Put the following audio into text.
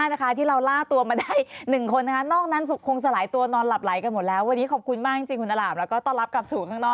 น้ำตวกหาวกาถิ้นไปครับ